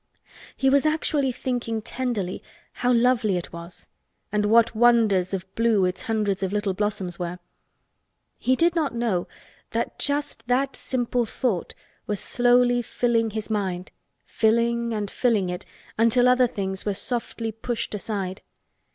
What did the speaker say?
He was actually thinking tenderly how lovely it was and what wonders of blue its hundreds of little blossoms were. He did not know that just that simple thought was slowly filling his mind—filling and filling it until other things were softly pushed aside.